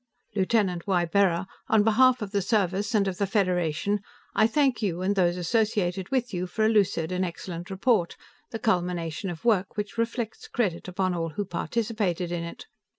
"Lieutenant Ybarra, on behalf of the Service and of the Federation, I thank you and those associated with you for a lucid and excellent report, the culmination of work which reflects credit upon all who participated in it.